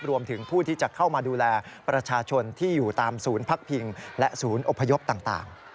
รวมถึงผู้ที่จะเข้ามาดูแลประชาชนที่อยู่ตามศูนย์พักพิงและศูนย์อพยพต่าง